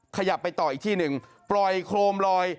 ขยับไปต่ออีกที่หนึ่งปล่อยโครมลอย